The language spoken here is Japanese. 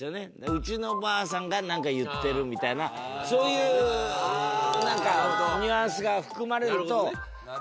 うちのばあさんがなんか言ってるみたいなそういうなんかニュアンスが含まれると更に。